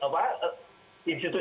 saya setuju itu